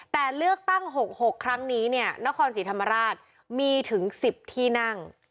แต่เลือกตั้ง๖๖ครั้งนี้เนี่ยนครศรีธรรมราชมีถึง๑๐ที่นั่ง